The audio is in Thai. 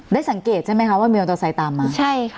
ได้สังเกตใช่ไหมคะว่าเมียวตัวใส่ตามมา